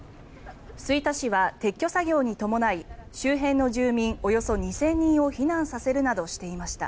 吹田市は撤去作業に伴い周辺の住民およそ２０００人を避難させるなどしていました。